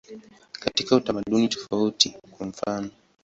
Katika utamaduni tofauti, kwa mfanof.